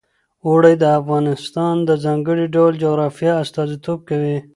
اوړي د افغانستان د ځانګړي ډول جغرافیه استازیتوب کوي.